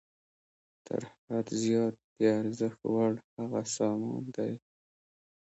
تر حد زیات د ارزښت وړ هغه سامان دی